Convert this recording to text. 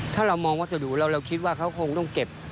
ถ้าเรามองวัสดุเราคิดว่าเขาคงต้องเก็บ